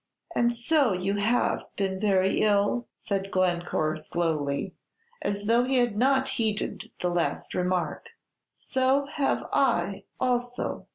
"And so you have been very ill?" said Glencore, slowly, and as though he had not heeded the last remark; "so have I also!"